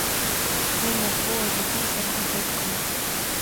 زه له ښو عادتو سره عادت کوم.